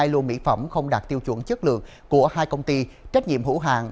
hai lô mỹ phẩm không đạt tiêu chuẩn chất lượng của hai công ty trách nhiệm hữu hàng